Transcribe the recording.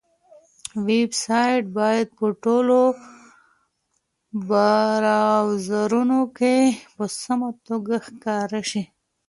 ویب سایټ باید په ټولو براوزرونو کې په سمه توګه ښکاره شي.